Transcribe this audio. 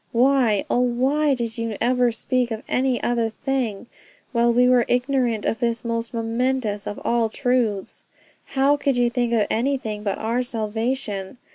Why, oh why did you ever speak of any other thing, while we were ignorant of this most momentous of all truths? How could you think on anything but our salvation?...